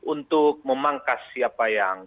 untuk memangkas siapa yang